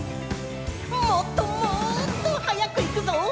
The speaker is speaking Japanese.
もっともっとはやくいくぞ！